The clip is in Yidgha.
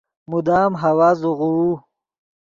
مدام ہوا زوغوؤ